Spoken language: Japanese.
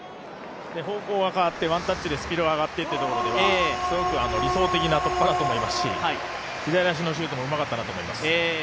方向が変わって、ワンタッチでスピードも変わってすごく理想的な突破だと思いますし、左足のシュートもうまかったなと思います。